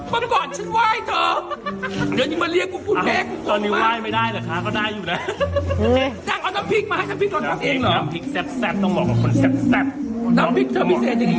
พอถอดจีวอนมาใส่ชุดไอล่ะคุณเติม